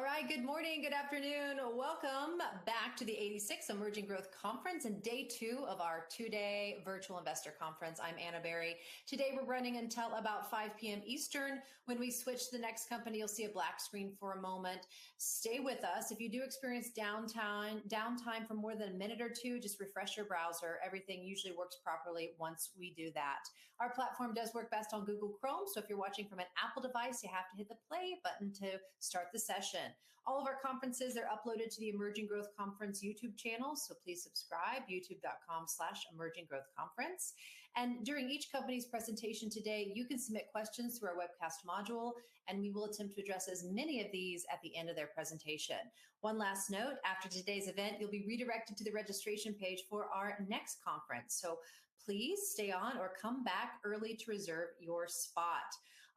All right, good morning, good afternoon, welcome back to the 86th Emerging Growth Conference and day two of our two-day virtual investor conference. I'm Anna Berry. Today we're running until about 5:00 P.M. Eastern. When we switch to the next company, you'll see a black screen for a moment. Stay with us. If you do experience downtime for more than a minute or two, just refresh your browser. Everything usually works properly once we do that. Our platform does work best on Google Chrome, so if you're watching from an Apple device, you have to hit the play button to start the session. All of our conferences are uploaded to the Emerging Growth Conference YouTube channel, so please subscribe, youtube.com/emerginggrowthconference, and during each company's presentation today, you can submit questions through our webcast module, and we will attempt to address as many of these at the end of their presentation. One last note, after today's event, you'll be redirected to the registration page for our next conference, so please stay on or come back early to reserve your spot.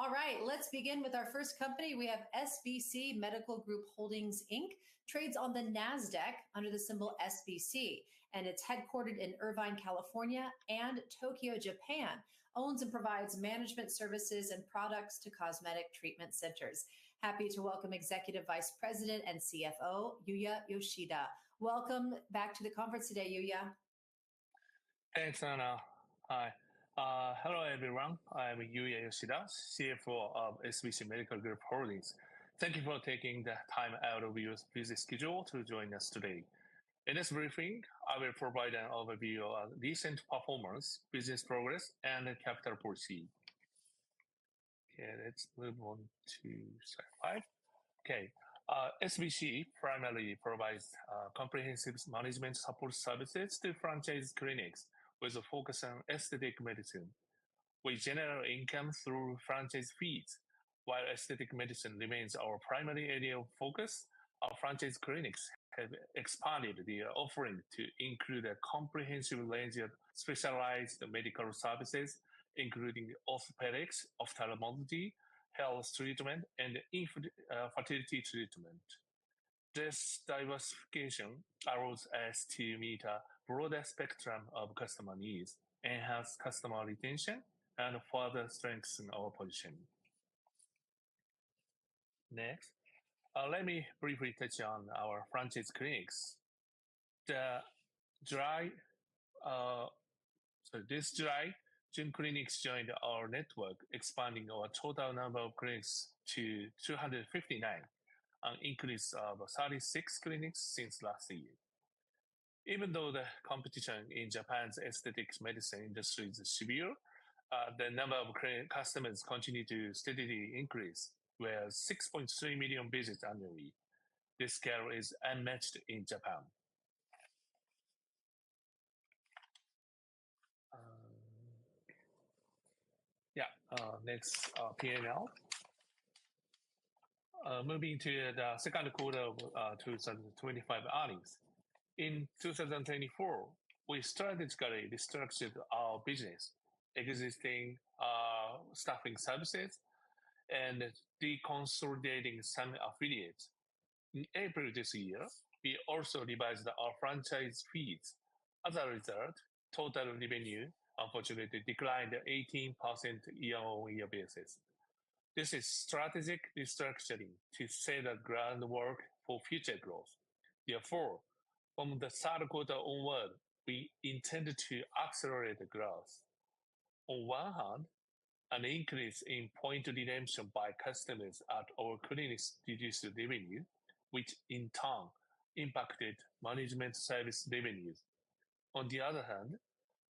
All right, let's begin with our first company. We have SBC Medical Group Holdings Inc., trades on the NASDAQ under the symbol SBC, and it's headquartered in Irvine, California, and Tokyo, Japan. Owns and provides management services and products to cosmetic treatment centers. Happy to welcome Executive Vice President and CFO, Yuya Yoshida. Welcome back to the conference today, Yuya. Thanks, Anna. Hi. Hello, everyone. I'm Yuya Yoshida, CFO of SBC Medical Group Holdings. Thank you for taking the time out of your busy schedule to join us today. In this briefing, I will provide an overview of recent performance, business progress, and capital proceeds. Okay, let's move on to slide five. Okay, SBC primarily provides comprehensive management support services to franchise clinics with a focus on aesthetic medicine. We generate income through franchise fees. While aesthetic medicine remains our primary area of focus, our franchise clinics have expanded their offering to include a comprehensive range of specialized medical services, including orthopedics, ophthalmology, height treatment, and fertility treatment. This diversification allows us to meet a broader spectrum of customer needs, enhance customer retention, and further strengthen our position. Next, let me briefly touch on our franchise clinics. This July, Jenn clinics joined our network, expanding our total number of clinics to 259, an increase of 36 clinics since last year. Even though the competition in Japan's aesthetic medicine industry is severe, the number of customers continues to steadily increase, with 6.3 million visits annually. This scale is unmatched in Japan. Yeah, next P&L. Moving to the second quarter of 2025 earnings. In 2024, we strategically restructured our business, exiting staffing services, and deconsolidating some affiliates. In April this year, we also revised our franchise fees. As a result, total revenue unfortunately declined 18% year-on-year basis. This is strategic restructuring to set the groundwork for future growth. Therefore, from the third quarter onward, we intend to accelerate the growth. On one hand, an increase in point redemption by customers at our clinics reduced revenue, which in turn impacted management service revenues. On the other hand,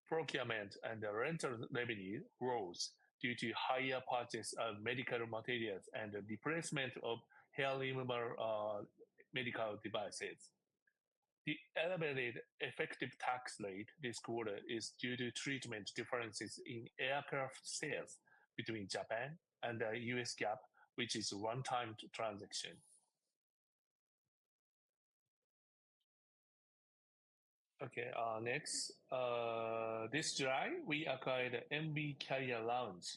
procurement and rental revenue rose due to higher purchase of medical materials and the replacement of hair removal medical devices. The elevated effective tax rate this quarter is due to treatment differences in aircraft sales between Japan and the US GAAP, which is a one-time transaction. Okay, next. This July, we acquired MB Career Lounge,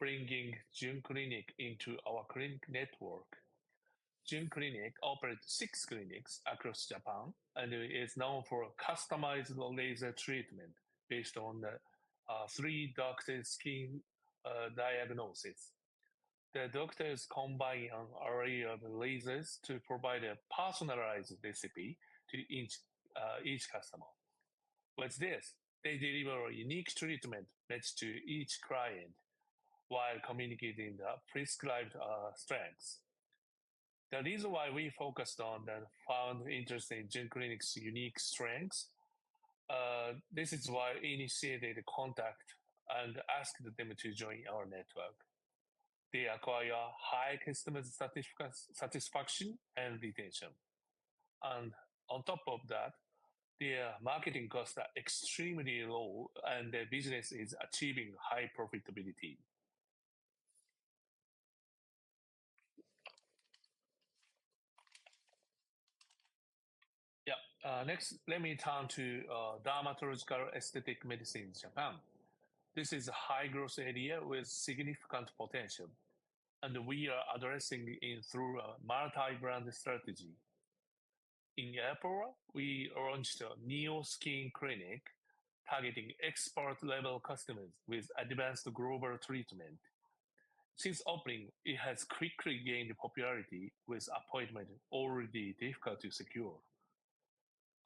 bringing Jenn Clinic into our clinic network. Jenn Clinic operates six clinics across Japan and is known for customized laser treatment based on three doctors' skin diagnoses. The doctors combine an array of lasers to provide a personalized recipe to each customer. With this, they deliver a unique treatment matched to each client while communicating the prescribed strengths. The reason why we focused on the found interest in Jenn Clinic's unique strengths, this is why we initiated a contact and asked them to join our network. They acquire high customer satisfaction and retention, and on top of that, their marketing costs are extremely low and their business is achieving high profitability. Yeah, next, let me turn to Dermatological Aesthetic Medicine Japan. This is a high-growth area with significant potential, and we are addressing it through a multi-brand strategy. In April, we launched a Neo Skin Clinic, targeting expert-level customers with advanced global treatment. Since opening, it has quickly gained popularity with appointments already difficult to secure.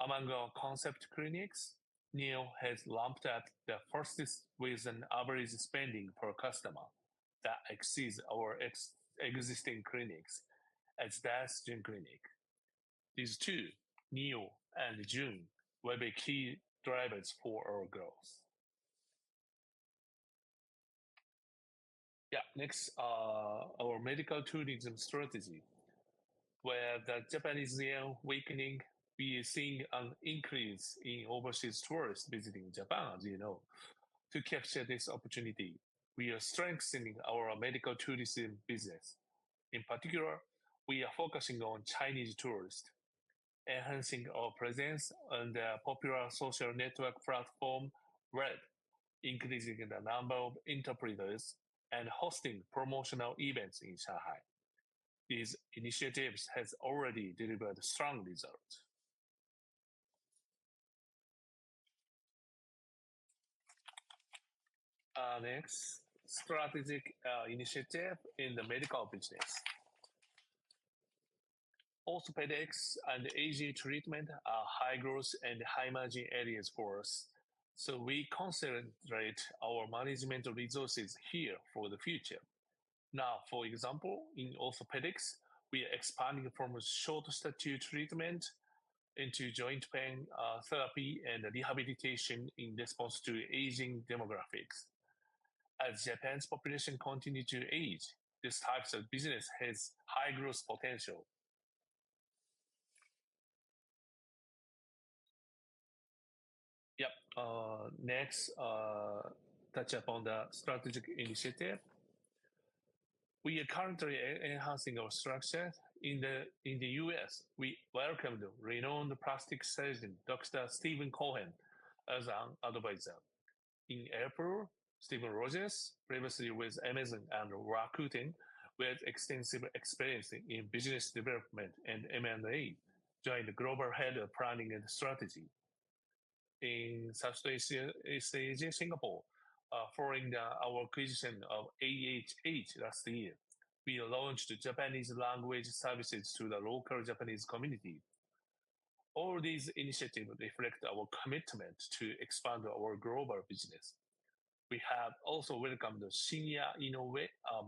Among our concept clinics, Neo has ramped up the fastest with an average spending per customer that exceeds our existing clinics as the best Jenn Clinic. These two, Neo and Jenn, will be key drivers for our growth. Yeah, next, our medical tourism strategy. With the Japanese yen awakening, we are seeing an increase in overseas tourists visiting Japan, as you know. To capture this opportunity, we are strengthening our medical tourism business. In particular, we are focusing on Chinese tourists, enhancing our presence on the popular social network platform RED, increasing the number of interpreters and hosting promotional events in Shanghai. These initiatives have already delivered strong results. Next, strategic initiative in the medical business. Orthopedics and AGA treatment are high-growth and high-margin areas for us, so we concentrate our management resources here for the future. Now, for example, in orthopedics, we are expanding from short stature treatment into joint pain therapy and rehabilitation in response to aging demographics. As Japan's population continues to age, this type of business has high-growth potential. Yeah, next, touch upon the strategic initiative. We are currently enhancing our structure. In the U.S., we welcomed renowned plastic surgeon Dr. Steven Cohen as an advisor. In April, Stephen Rogers, previously with Amazon and Rakuten, with extensive experience in business development and M&A, joined the global head of planning and strategy. In Southeast Asia, Singapore, following our acquisition of AHH last year, we launched Japanese language services to the local Japanese community. All these initiatives reflect our commitment to expand our global business. We have also welcomed a senior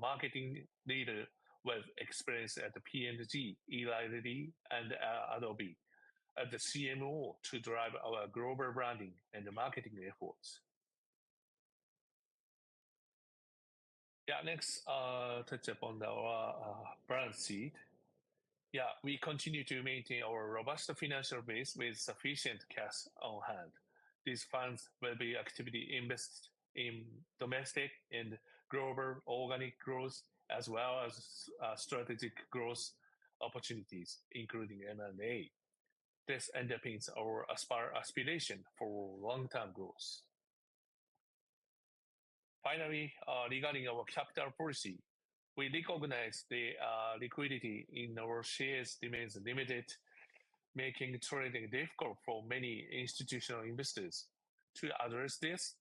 marketing leader with experience at P&G, Eli Lilly, and Adobe as the CMO to drive our global branding and marketing efforts. Yeah, next, touch upon our balance sheet. Yeah, we continue to maintain our robust financial base with sufficient cash on hand. These funds will be actively invested in domestic and global organic growth, as well as strategic growth opportunities, including M&A. This underpins our aspiration for long-term growth. Finally, regarding our capital policy, we recognize the liquidity in our shares remains limited, making trading difficult for many institutional investors. To address this,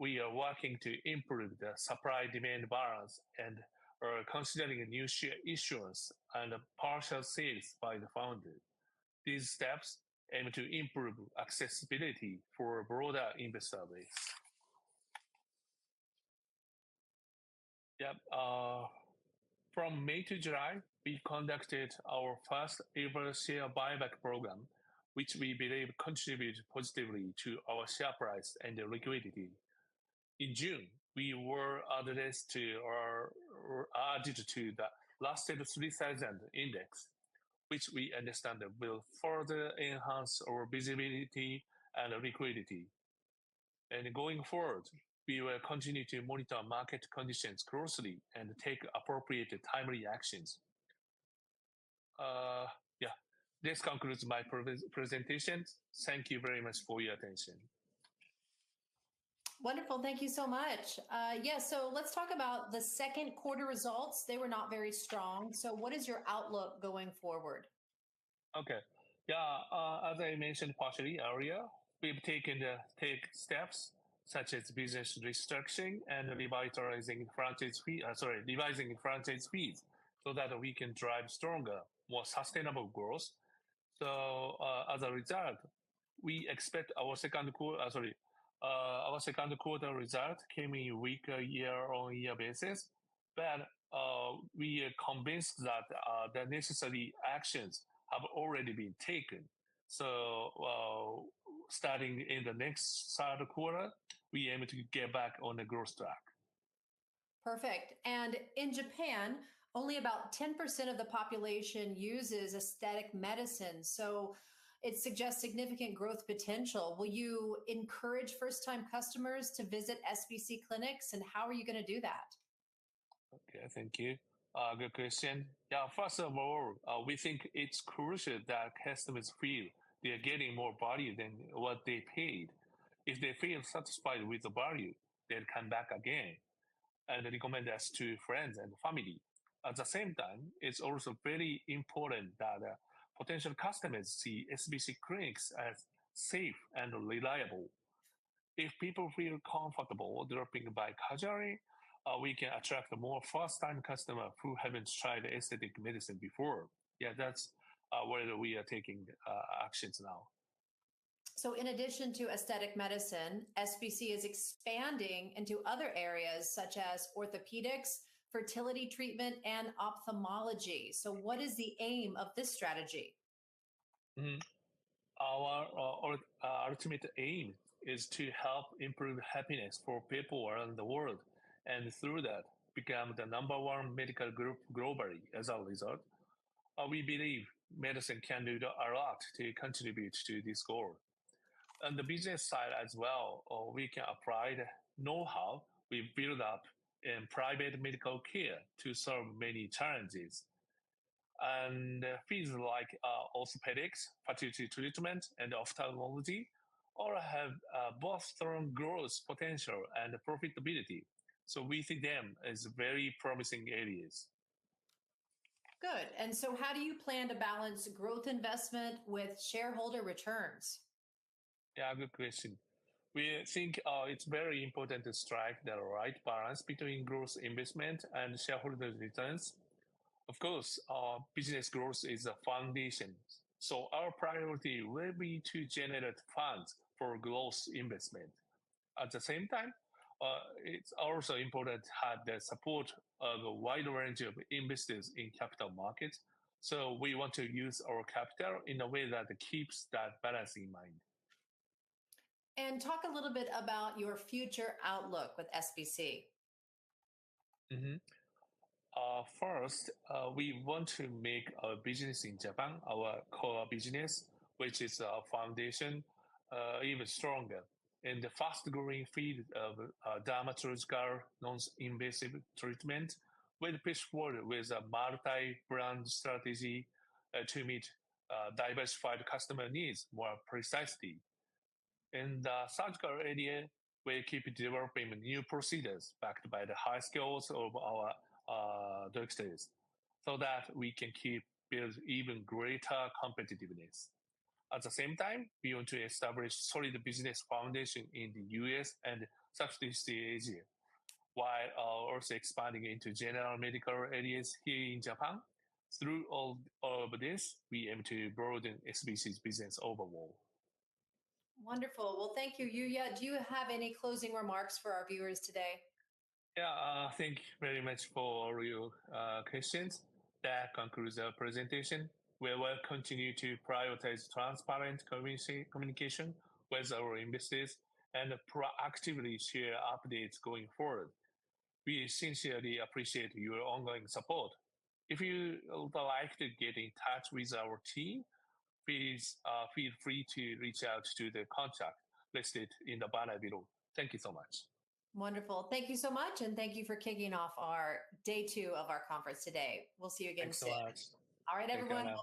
we are working to improve the supply-demand balance and are considering new share issuance and partial sales by the founder. These steps aim to improve accessibility for broader investor base. Yeah, from May to July, we conducted our first ever share buyback program, which we believe contributed positively to our share price and liquidity. In June, we were added to the Russell 3000 Index, which we understand will further enhance our visibility and liquidity. And going forward, we will continue to monitor market conditions closely and take appropriate timely actions. Yeah, this concludes my presentation. Thank you very much for your attention. Wonderful. Thank you so much. Yeah, so let's talk about the second quarter results. They were not very strong. So what is your outlook going forward? Okay. Yeah, as I mentioned partially earlier, we've taken steps such as business restructuring and revising franchise fees so that we can drive stronger, more sustainable growth, so as a result, we expect our second quarter result came in weak on a year-on-year basis, but we are convinced that the necessary actions have already been taken, so starting in the next third quarter, we aim to get back on the growth track. Perfect. And in Japan, only about 10% of the population uses aesthetic medicine, so it suggests significant growth potential. Will you encourage first-time customers to visit SBC clinics, and how are you going to do that? Okay, thank you. Good question. Yeah, first of all, we think it's crucial that customers feel they are getting more value than what they paid. If they feel satisfied with the value, they'll come back again and recommend us to friends and family. At the same time, it's also very important that potential customers see SBC clinics as safe and reliable. If people feel comfortable dropping by casually, we can attract more first-time customers who haven't tried aesthetic medicine before. Yeah, that's where we are taking actions now. So in addition to aesthetic medicine, SBC is expanding into other areas such as orthopedics, fertility treatment, and ophthalmology. So what is the aim of this strategy? Our ultimate aim is to help improve happiness for people around the world and through that become the number one medical group globally. As a result, we believe medicine can do a lot to contribute to this goal. On the business side as well, we can apply the know-how we built up in private medical care to solve many challenges. And fields like orthopedics, fertility treatment, and ophthalmology all have both strong growth potential and profitability. So we see them as very promising areas. Good. And so how do you plan to balance growth investment with shareholder returns? Yeah, good question. We think it's very important to strike the right balance between growth investment and shareholder returns. Of course, business growth is a foundation. So our priority will be to generate funds for growth investment. At the same time, it's also important to have the support of a wide range of investors in capital markets. So we want to use our capital in a way that keeps that balance in mind. Talk a little bit about your future outlook with SBC. First, we want to make our business in Japan, our core business, which is our foundation, even stronger in the fast-growing field of dermatological non-invasive treatment, with push forward with a multi-brand strategy to meet diversified customer needs more precisely. In the surgical area, we keep developing new procedures backed by the high skills of our doctors so that we can keep building even greater competitiveness. At the same time, we want to establish a solid business foundation in the U.S. and Southeast Asia, while also expanding into general medical areas here in Japan. Through all of this, we aim to broaden SBC's business overall. Wonderful. Well, thank you, Yuya. Do you have any closing remarks for our viewers today? Yeah, thank you very much for all your questions. That concludes our presentation. We will continue to prioritize transparent communication with our investors and proactively share updates going forward. We sincerely appreciate your ongoing support. If you would like to get in touch with our team, please feel free to reach out to the contact listed in the banner below. Thank you so much. Wonderful. Thank you so much, and thank you for kicking off our day two of our conference today. We'll see you again soon. Thanks so much. All right, everyone.